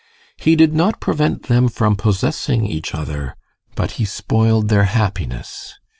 He did not prevent them from possessing each other but he spoiled their happiness.